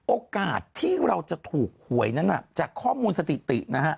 โอกาสที่เราจะถูกหวยนั้นจากข้อมูลสถิตินะฮะ